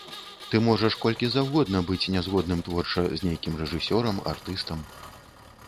Ты можаш колькі заўгодна быць не згодным творча з нейкім рэжысёрам, артыстам.